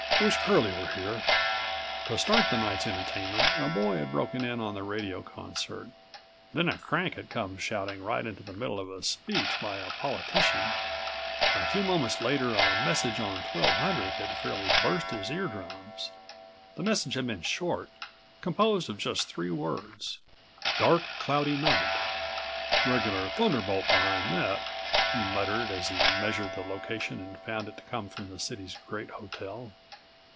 Wish Curlie were here." To start the night's entertainment a boy had broken in on the radio concert. Then a crank had come shouting right into the middle of a speech by a politician. A few moments later a message on 1200 had fairly burst his ear drums. The message had been short, composed of just three words: "Dark, cloudy night." "Regular thunderbolt behind that!" he muttered as he measured the location and found it to come from the city's great hotel.